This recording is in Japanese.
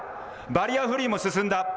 バリアフリーも進んだ。